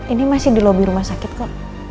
ini masih di lobi rumah sakit kok